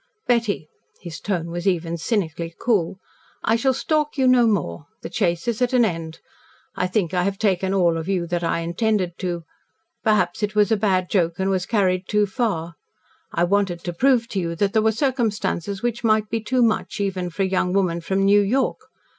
"Betty," his tone was even cynically cool, "I shall stalk you no more. The chase is at an end. I think I have taken all out of you I intended to. Perhaps it was a bad joke and was carried too far. I wanted to prove to you that there were circumstances which might be too much even for a young woman from New York.